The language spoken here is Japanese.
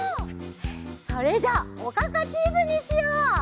それじゃあおかかチーズにしよう！